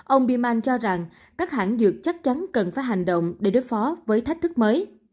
ông bilman cho rằng các hãng dược chắc chắn cần phải hành động để đối phó với thách thức mới